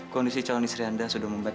kondisi calon istri anda sudah membaik